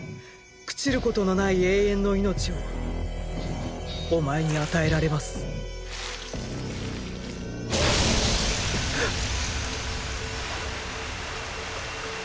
朽ちることのない永遠の命をお前に与えられます。っ！！